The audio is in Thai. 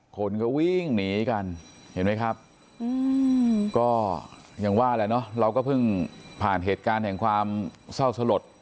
คนก็วิ่งหนีกันเห็นไหมครับก็ยังว่าแหละเนอะเราก็เพิ่งผ่านเหตุการณ์แห่งความเศร้าสลด